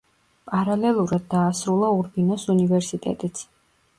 პარალელურად დაასრულა ურბინოს უნივერსიტეტიც.